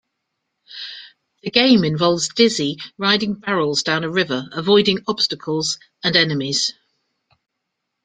The game involves Dizzy riding barrels down a river avoiding obstacles and enemies.